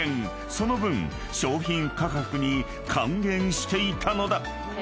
その分商品価格に還元していたのだ］